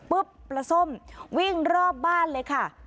ปุ๊บประส้มวิ่งรอบบ้านเลยค่ะ